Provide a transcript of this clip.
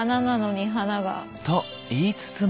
と言いつつも。